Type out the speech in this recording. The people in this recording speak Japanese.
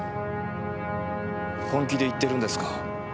本気で言ってるんですか？